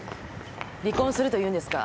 離婚するというんですか？